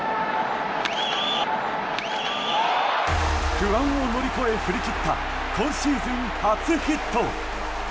不安を乗り越え振り切った今シーズン初ヒット。